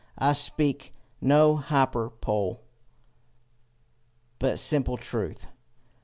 I speak no hyperbole, but simple truth.